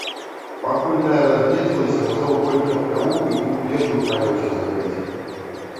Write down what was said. Пакуль тая разгледзелася, разоў колькі аплявуху і ў плечы ўправіўся загрэць.